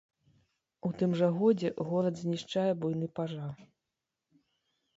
У тым жа годзе горад знішчае буйны пажар.